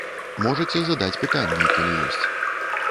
Можаце, задаць пытанні, калі ёсць.